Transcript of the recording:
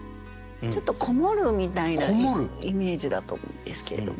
ちょっと「籠もる」みたいなイメージだと思うんですけれども。